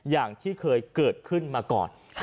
อย่างที่เคยเกิดขึ้นมาก่อน